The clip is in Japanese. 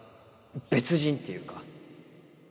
別人っていうか